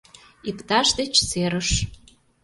ИПТАШ ДЕЧ СЕРЫШ